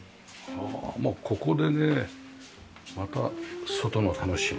もうここでねまた外の楽しみ。